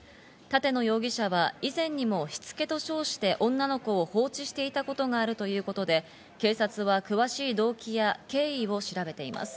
立野容疑者は、以前にもしつけと称して女の子を放置していたことがあるということで、警察は詳しい動機や経緯を調べています。